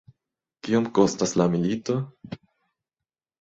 Kiom kostas la milito?